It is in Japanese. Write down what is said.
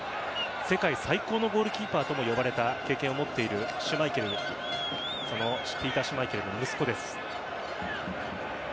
世界最高のゴールキーパーとも呼ばれた経験を持っているペーター・シュマイケルの息子です。